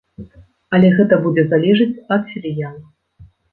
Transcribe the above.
Але гэта будзе залежыць ад філіяла.